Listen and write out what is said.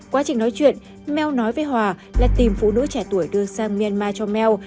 quá trình nói chuyện mel nói với hòa là tìm phụ nữ trẻ tuổi đưa sang myanmar cho mel